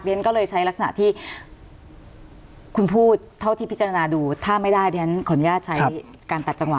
ฉันก็เลยใช้ลักษณะที่คุณพูดเท่าที่พิจารณาดูถ้าไม่ได้เรียนขออนุญาตใช้การตัดจังหว